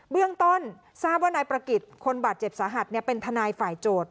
เบื้องต้นทราบว่านายประกิจคนบาดเจ็บสาหัสเป็นทนายฝ่ายโจทย์